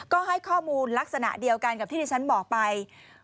ก็ให้ข้อมูลลักษณะเดียวกันกับที่ที่ฉันบอกไป